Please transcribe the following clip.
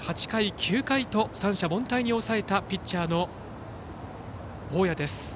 ８回、９回と三者凡退に抑えたピッチャーの大矢です。